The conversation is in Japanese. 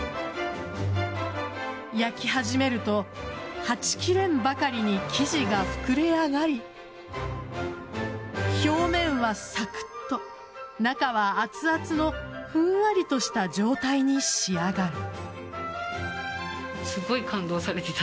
焼き始めるとはちきれんばかりに生地が膨れ上がり表面はサクッと、中は熱々のふんわりとした状態に仕上がる。